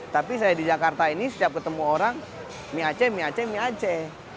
tapi saya di jakarta ini setiap ketemu orang mie aceh mie aceh mie aceh